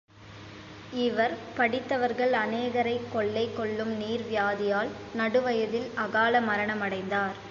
இவர், படித்தவர்கள் அநேகரைக் கொள்ளை கொள்ளும் நீர் வியாதியால், நடுவயதில் அகால மரணமடைந்தார்.